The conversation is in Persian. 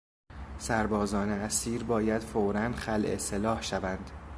سربازان اسیر باید فورا خلع سلاح شوند.